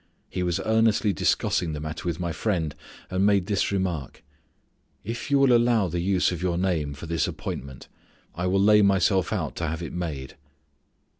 He was earnestly discussing the matter with my friend, and made this remark: "If you will allow the use of your name for this appointment, I will lay myself out to have it made."